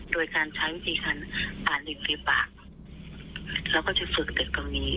โดยการใช้วิธีการอ่านเหล็กในปากแล้วก็จะฝึกเด็กตรงนี้